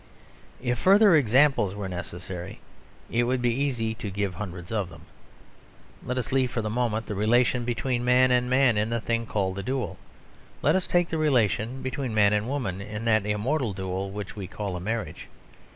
If further examples were necessary, it would be easy to give hundreds of them. Let us leave, for the moment, the relation between man and man in the thing called the duel. Let us take the relation between man and woman, in that immortal duel which we call a marriage.